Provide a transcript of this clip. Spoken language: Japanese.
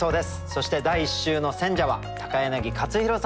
そして第１週の選者は柳克弘さんです。